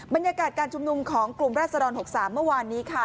บรรยากาศการชุมนุมของกลุ่มราศดร๖๓เมื่อวานนี้ค่ะ